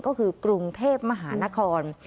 ก็คือกรุงเทพมหานคร